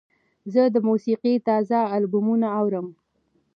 زه د موسیقۍ تازه البومونه اورم.